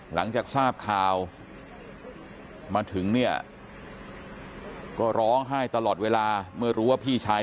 หลังจากทราบข่าวมาถึงเนี่ยก็ร้องไห้ตลอดเวลาเมื่อรู้ว่าพี่ชาย